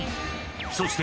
そして